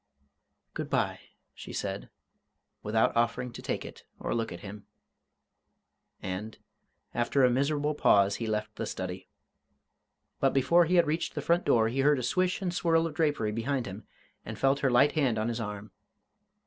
"Good bye," she said, without offering to take it or look at him and, after a miserable pause, he left the study. But before he had reached the front door he heard a swish and swirl of drapery behind him, and felt her light hand on his arm.